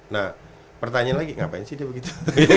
nah pertanyaan lagi ngapain sih dia begitu